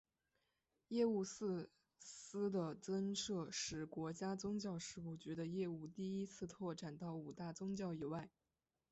业务四司的增设使国家宗教事务局的业务第一次拓展到五大宗教以外。